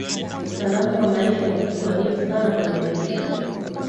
usalama wa maisha ni kitu adimu sana kwenye maisha